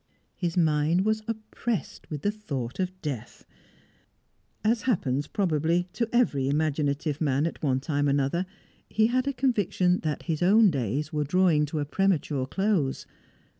His mind was oppressed with the thought of death. As happens, probably, to every imaginative man at one time or another, he had a conviction that his own days were drawing to a premature close.